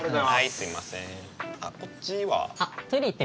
すいません。